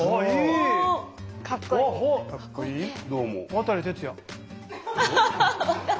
渡哲也！